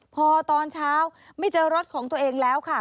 พอตอนเช้าไม่เจอรถของตัวเองแล้วค่ะ